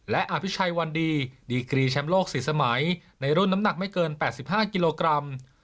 และอภิชัยวันดีดีกรีแชมป์โลก๔สมัยในรุ่นน้ำหนักไม่เกิน๘๕กิโลกรัม